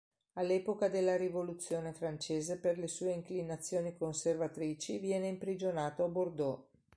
All'epoca della Rivoluzione francese per le sue inclinazioni conservatrici viene imprigionato a Bordeaux.